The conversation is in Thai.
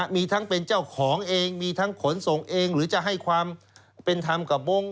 มีทั้งเป็นเจ้าของเองมีทั้งขนส่งเองหรือจะให้ความเป็นธรรมกับวง